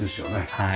はい。